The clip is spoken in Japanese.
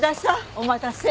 お待たせ。